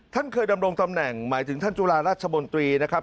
ท่านเคยดำรงตำแหน่งหมายถึงท่านจุฬาราชมนตรีนะครับ